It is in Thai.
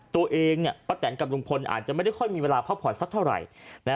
ตัวเองป้าแตนกับลุงพลอาจจะไม่ได้ค่อยมีเวลาพักผ่อนสักเท่าไหร่